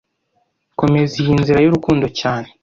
Komeza iyi NZIRA YURUKUNDO cyane